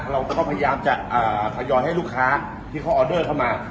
เราก็พยายามจะทยอยให้ลูกค้าที่เขาออเดอร์เข้ามา